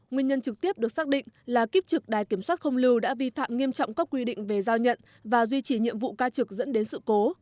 nguyên nhân trực tiếp được xác định là kiếp trực đài kiểm soát không lưu đã vi phạm nghiêm trọng các quy định về giao nhận và duy trì nhiệm vụ ca trực dẫn đến sự cố